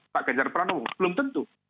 pak ganjar pranowo belum tentu